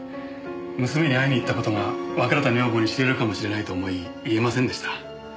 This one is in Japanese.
娘に会いに行った事が別れた女房に知れるかもしれないと思い言えませんでした。